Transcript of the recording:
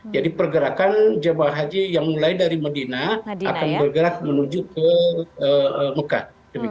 pergerakan jemaah haji yang mulai dari medina akan bergerak menuju ke mekah